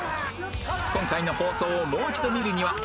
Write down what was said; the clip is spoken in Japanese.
今回の放送をもう一度見るには ＴＶｅｒ で